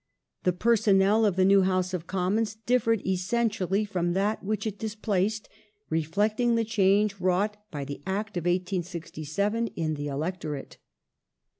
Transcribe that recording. The personnel of the new House of Commons differed essentially from that which it displaced, reflecting the change wrought by the Act of 1867 in the electorate.